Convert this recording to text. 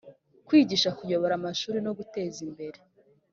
kwigisha kuyobora amashuli no guteza imbere